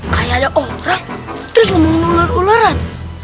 kayak ada orang terus ngomongin ular ularan